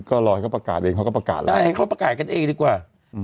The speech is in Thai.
ก็ลอยเขาประกาศเองเขาก็ประกาศแล้วไล่ให้เขาประกาศกันเองดีกว่า